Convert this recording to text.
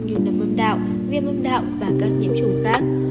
như nấm âm đạo viêm âm đạo và các nhiễm trùng khác